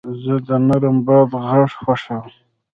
زه د نرم باد غږ خوښوم.